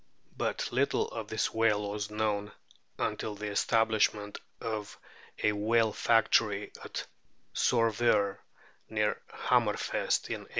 But little of this whale was known until the establishment of a whale factory at Sorvaer, near Hammerfest, in 1882.